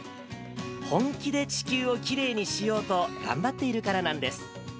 本気で地球をきれいにしようと頑張っているからなんです。